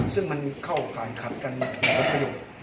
ซึ่งมันเข้าผ่านขัดกันมากมายุ่ง